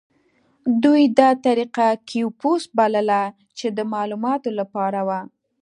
دوی دا طریقه کیوپوس بلله چې د معلوماتو لپاره وه.